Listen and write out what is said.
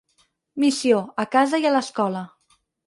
Missió, a casa i a l'escola.